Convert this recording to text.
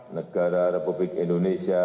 negara republik indonesia